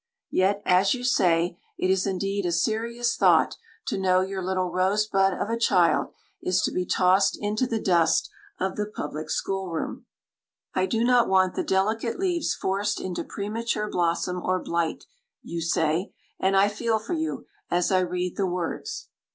Yet, as you say, it is indeed a serious thought to know your little rosebud of a child is to be tossed into the dust of the public schoolroom. "I do not want the delicate leaves forced into premature blossom or blight," you say, and I feel for you, as I read the words.